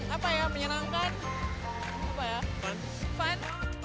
apa ya menyenangkan